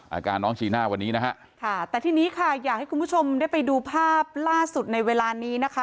อาการน้องจีน่าวันนี้นะฮะค่ะแต่ทีนี้ค่ะอยากให้คุณผู้ชมได้ไปดูภาพล่าสุดในเวลานี้นะคะ